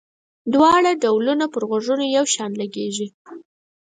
دواړه ډولونه پر غوږونو یو شان لګيږي.